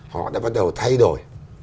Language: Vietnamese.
họ đã bắt đầu thay đổi